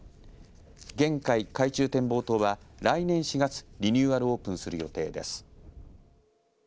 玄海海中展望塔は来年４月リニューアルオープンする予定です。